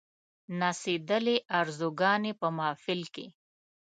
نڅېدلې آرزوګاني په محفل کښي